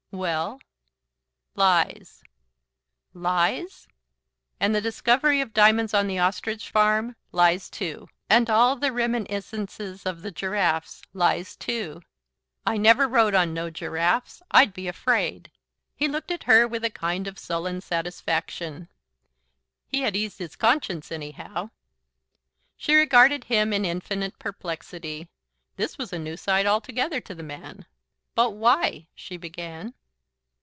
"Well?" "Lies." "Lies!" "And the discovery of diamonds on the ostrich farm. Lies too. And all the reminiscences of the giraffes lies too. I never rode on no giraffes. I'd be afraid." He looked at her with a kind of sullen satisfaction. He had eased his conscience, anyhow. She regarded him in infinite perplexity. This was a new side altogether to the man. "But WHY," she began.